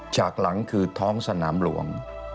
จากหลังคือท้องสนามหลวง